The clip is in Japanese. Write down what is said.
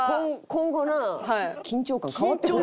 今後な緊張感変わってくる。